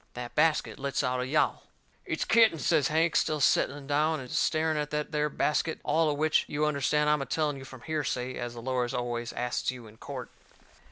That basket lets out a yowl. "It's kittens," says Hank, still setting down and staring at that there basket. All of which, you understand, I am a telling you from hearsay, as the lawyers always asts you in court.